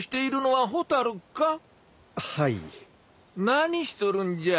何しとるんじゃ？